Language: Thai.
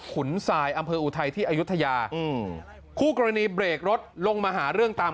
ขุนทรายอำเภออุทัยที่อายุทยาอืมคู่กรณีเบรกรถลงมาหาเรื่องตาม